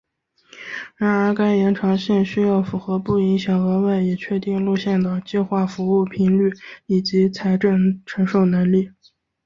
然而该延长线需要符合不影响额外已确定路线的计划服务频率以及财政承受能力。